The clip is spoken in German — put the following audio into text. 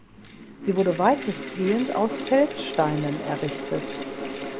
Sie wurde weitestgehend aus Feldsteinen errichtet.